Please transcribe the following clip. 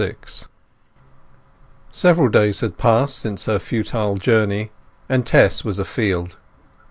XLVI Several days had passed since her futile journey, and Tess was afield.